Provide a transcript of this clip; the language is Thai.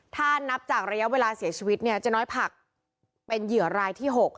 ถ้านับจากระยะเวลาเสียชีวิตเนี่ยเจ๊น้อยผักเป็นเหยื่อรายที่๖